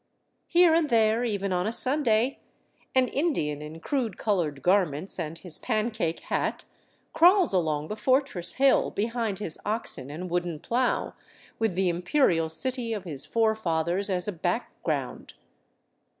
Here and there, even on a Sunday, an Indian in crude colored garments and his pancake hat crawls along the fortress hill behind his oxen and wooden plow, with the Imperial city of his forefathers as a background.